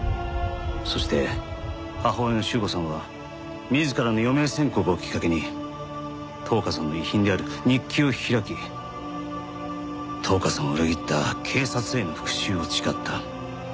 そして母親の朱子さんは自らの余命宣告をきっかけに橙花さんの遺品である日記を開き橙花さんを裏切った警察への復讐を誓った。